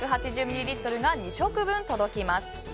１８０ミリリットルが２食分届きます。